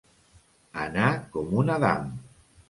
Anar com un Adam.